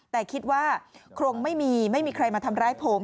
แต่คิดว่าคงไม่มีไม่มีใครมาทำร้ายผม